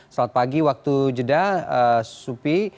selamat pagi waktu jeddah supi